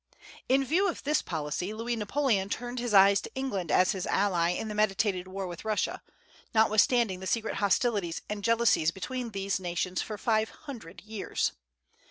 In view of this policy, Louis Napoleon turned his eyes to England as his ally in the meditated war with Russia, notwithstanding the secret hostilities and jealousies between these nations for five hundred years.